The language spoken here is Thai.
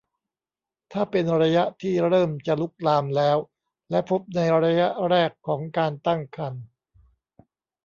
ถ้าเป็นระยะที่เริ่มจะลุกลามแล้วและพบในระยะแรกของการตั้งครรภ์